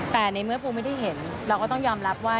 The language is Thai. แต่ในเมื่อปูไม่ได้เห็นเราก็ต้องยอมรับว่า